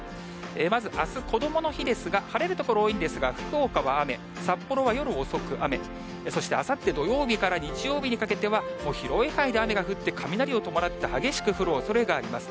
まず、あす、こどもの日ですが、晴れる所多いんですが、福岡は雨、札幌は夜遅く雨、そしてあさって土曜日から日曜日にかけては、広い範囲で雨が降って雷を伴って激しく降るおそれがあります。